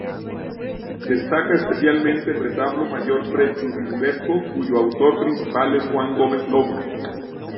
Destaca especialmente el retablo mayor pre-churrigueresco cuyo autor principal es Juan Gómez Lobo.